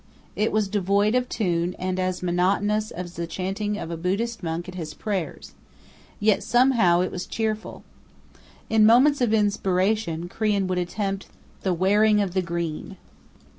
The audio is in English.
It was devoid of tune and as monotonous as the chanting of a Buddhist monk at his prayers; yet somehow it was cheerful. In moments of inspiration Crean would attempt "The Wearing of the Green."